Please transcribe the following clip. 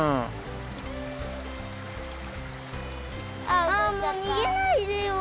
あっもうにげないでよ。